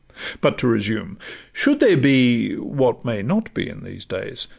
But to resume,—should there be (what may not Be in these days?)